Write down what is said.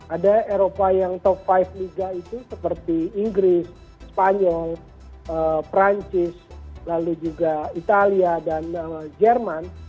ada eropa yang top lima liga itu seperti inggris spanyol perancis lalu juga italia dan jerman